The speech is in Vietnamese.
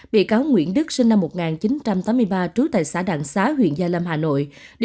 bị cáo nguyễn đức sinh năm một nghìn chín trăm tám mươi ba trú tại xã đặng xá huyện gia lâm hà nội